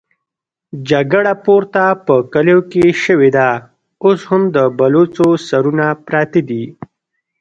جګړه پورته په کليو کې شوې ده، اوس هم د بلوڅو سرونه پراته دي.